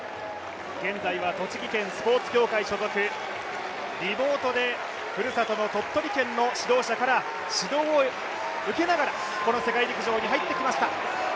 現在は栃木県スポーツ協会所属、リモートでふるさとの鳥取県の指導者から指導を受けながらこの世界陸上に入ってきました。